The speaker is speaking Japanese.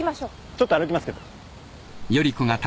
ちょっと歩きますけど。